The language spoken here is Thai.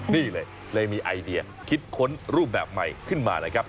นี่เลยมีไอเดียคิดค้นรูปแบบใหม่ขึ้นมานะครับ